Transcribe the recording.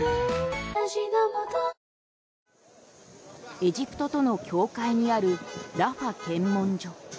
エジプトとの境界にあるラファ検問所。